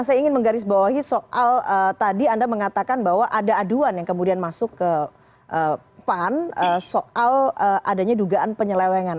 saya ingin menggarisbawahi soal tadi anda mengatakan bahwa ada aduan yang kemudian masuk ke pan soal adanya dugaan penyelewengan